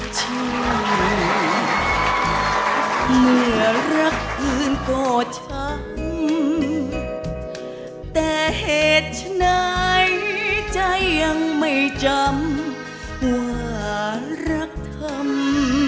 ถ้าเหตุไหนใจยังไม่จำว่ารักทำ